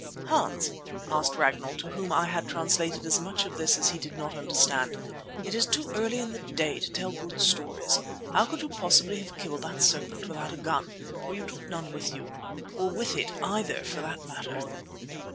"Hans," added Ragnall, to whom I had translated as much of this as he did not understand, "it is too early in the day to tell good stories. How could you possibly have killed that serpent without a gun—for you took none with you—or with it either for that matter?"